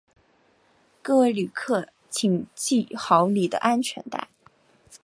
各位旅客请系好你的安全带